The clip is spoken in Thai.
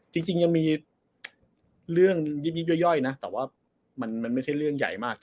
จริงยังมีเรื่องยิบย่อยนะแต่ว่ามันไม่ใช่เรื่องใหญ่มาก